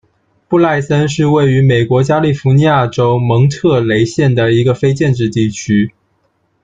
布赖森是位于美国加利福尼亚州蒙特雷县的一个非建制地区。